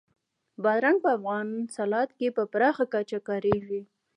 بادرنګ په افغاني سالاد کې په پراخه کچه کارېږي.